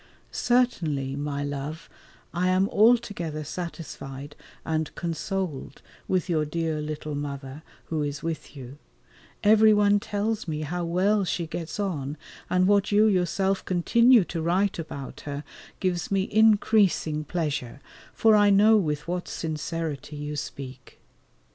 Certainly, my love, I am altogether satisfied and consoled with your dear little Mother, who is with you; every one tells me how well she gets on and what you yourself continue to write about her gives me increasing pleasure, for I know with what sincerity you speak.